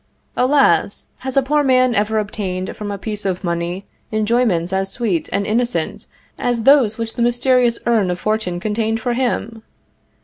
Alas! has a poor man ever obtained from a piece of money enjoyments as sweet and innocent as those which the mysterious urn of fortune contained for him?